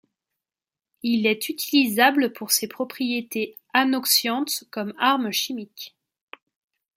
Il est utilisable pour ses propriétés anoxiantes comme arme chimique.